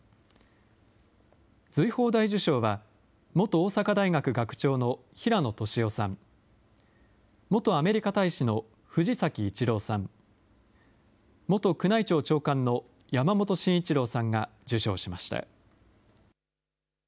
瑞宝大綬章は、元大阪大学学長の平野俊夫さん、元アメリカ大使の藤崎一郎さん、元宮内庁長官の山本信一郎さんが受章しました。